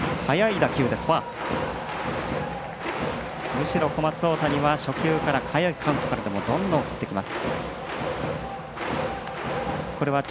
むしろ小松大谷は初球からでも早いカウントからでもどんどん振ってきます。